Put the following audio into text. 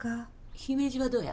姫路はどうや？